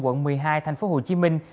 quận một mươi hai thành phố hồ chí minh